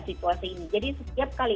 situasi ini jadi setiap kali